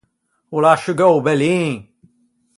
O l’à sciugou o bellin!